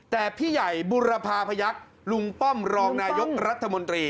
แต่พี่ใหญ่บุรพาพยักษ์ลุงป้อมรองนายกรัฐมนตรี